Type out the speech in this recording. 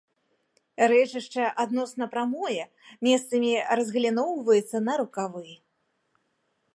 Рэчышча адносна прамое, месцамі разгаліноўваецца на рукавы.